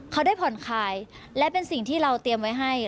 เขาได้ผ่อนคลายและเป็นสิ่งที่เราเตรียมไว้ให้